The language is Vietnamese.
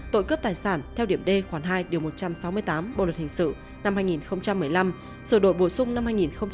tội cướp tài sản theo điểm d khoản hai điều một trăm sáu mươi tám bộ luật hình sự năm hai nghìn một mươi năm sửa đổi bổ sung năm hai nghìn một mươi bảy